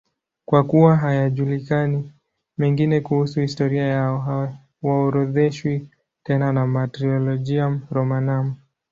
Kwa kuwa hayajulikani mengine kuhusu historia yao, hawaorodheshwi tena na Martyrologium Romanum.